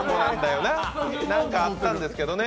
なんかあったんですけどね